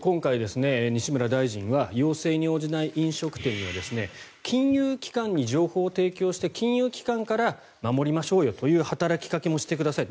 今回、西村大臣は要請に応じない飲食店には金融機関に情報を提供して金融機関から守りましょうという働きかけもしてくださいと。